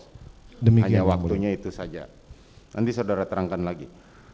hanya waktunya itu saja nanti saudara terangkan lagi